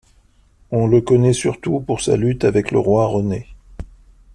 On le connaît surtout pour sa lutte avec le roi René.